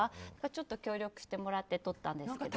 ちょっと協力してもらって撮ったんですけど。